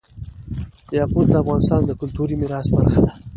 یاقوت د افغانستان د کلتوري میراث برخه ده.